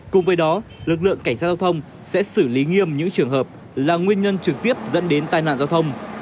cùng với đó lực lượng cảnh sát giao thông sẽ xử lý nghiêm những trường hợp là nguyên nhân trực tiếp dẫn đến tai nạn giao thông